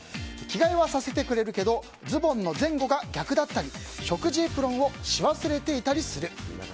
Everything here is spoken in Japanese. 着替えはさせてくれるけどズボンの前後が逆だったり食事エプロンをし忘れてたりする。